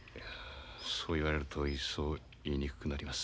そう言われると一層言いにくくなります。